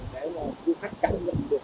để du khách cảm nhận được